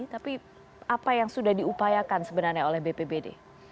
tapi apa yang sudah diupayakan sebenarnya oleh bpbd